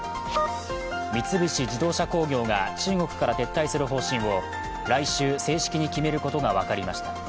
三菱自動車工業が中国から撤退する方針を来週、正式に決めることが分かりました。